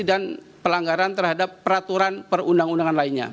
pelanggaran terhadap peraturan perundang undangan lainnya